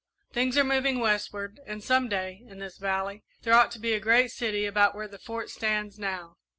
Things are moving westward, and some day, in this valley, there ought to be a great city about where the Fort stands now.